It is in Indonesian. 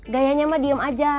gayanya mah diem aja